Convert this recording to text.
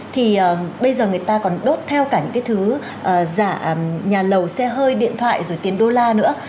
thì bây giờ người ta còn đốt theo cả những cái thứ giả nhà lầu xe hơi điện thoại rồi tiền đô la nữa